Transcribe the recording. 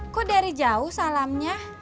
kok dari jauh salamnya